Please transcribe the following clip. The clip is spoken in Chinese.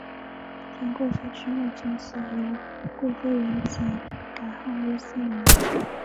田贵妃之墓从此由贵妃园寝改号曰思陵。